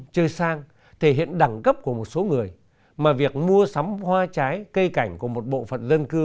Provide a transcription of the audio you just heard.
chơi sang thể hiện đẳng cấp của một số người mà việc mua sắm hoa trái cây cảnh của một bộ phận dân cư